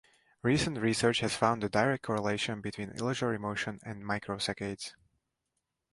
Recent research has found a direct correlation between illusory motion and microsaccades.